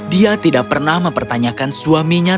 dia tidak pernah mempertanyakan suaminya